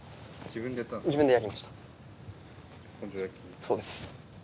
そうです。